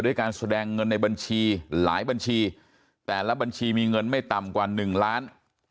การแสดงเงินในบัญชีหลายบัญชีแต่ละบัญชีมีเงินไม่ต่ำกว่าหนึ่งล้าน